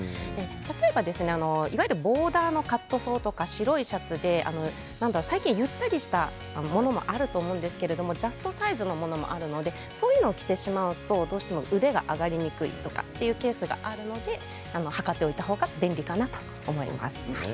例えば、いわゆるボーダーのカットソーとか白いシャツで最近ゆったりしたものあると思うんですけどジャストサイズのものがあるのでそういうものを着てしまうとどうしても腕が上がりにくいというケースがありますので測っておいた方が便利かなと思います。